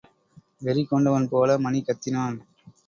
வெறி கொண்டவன் போல மணி கத்தினான்.